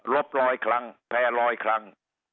บลอยคลังแพร่ลอยคลัง